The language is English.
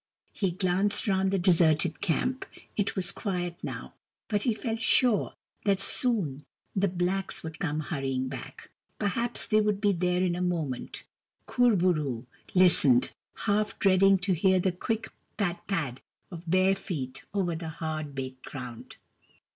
He glanced round the deserted camp. It was quiet now, but he felt sure that soon the blacks would come hurrying back. Perhaps they would be there in a moment : Kur bo roo listened, half dreading to hear the quick pad pad of bare feet over KUR BO ROO, THE BEAR 223 the hard, baked ground.